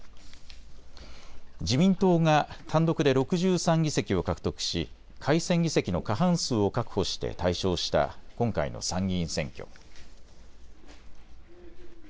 自民党が単独で６３議席を獲得し改選議席の過半数を確保して大勝した今回の参議院選挙。